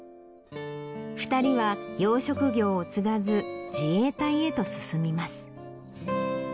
２人は養殖業を継がず自衛隊へと進みます。